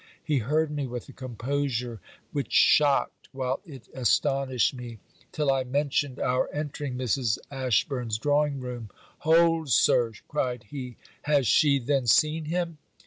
He heard me with a composure which shocked while it astonished me, till I mentioned our entering Mrs. Ashburn's drawing room. 'Hold Sir,' cried he, 'has she then seen him?'